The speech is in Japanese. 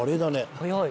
早い。